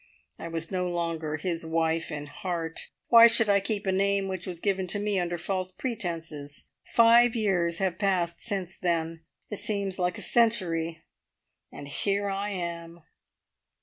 I was no longer his wife in heart. Why should I keep a name which was given to me under false pretences? Five years have passed since then. It seems like a century, and here I am!"